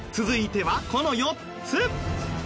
続いてはこの４つ。